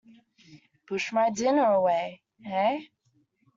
Push my dinner away, eh?